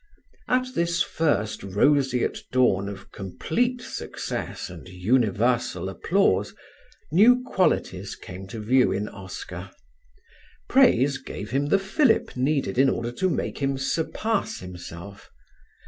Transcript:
At this first roseate dawn of complete success and universal applause, new qualities came to view in Oscar. Praise gave him the fillip needed in order to make him surpass himself.